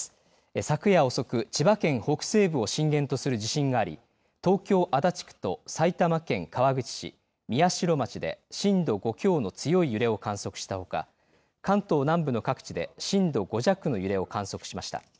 昨夜遅く千葉県北西部を震源とする地震があり東京、足立区と埼玉県川口市宮代町で震度５強の強い揺れを観測したほか関東南部の各地で震度５弱の揺れを観測しました。